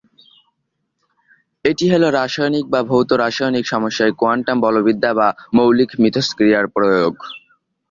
এটি হল রাসায়নিক বা ভৌত-রাসায়নিক সমস্যায় কোয়ান্টাম বলবিদ্যা বা মৌলিক মিথস্ক্রিয়ার প্রয়োগ।